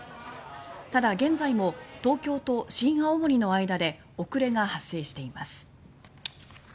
ただ現在も東京と新青森の間の上下で遅れが発生しています。